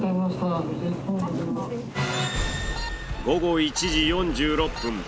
午後１時４６分。